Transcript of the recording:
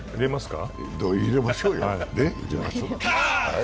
入れましょうよ。